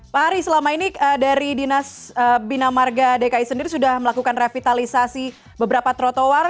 pak ari selama ini dari dinas bina marga dki sendiri sudah melakukan revitalisasi beberapa trotoar